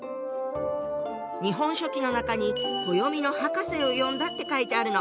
「日本書紀」の中に「暦の博士を呼んだ」って書いてあるの。